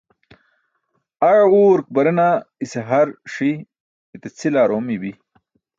aẏa urk barena ise har ṣi, ite cʰil aar oomiy bi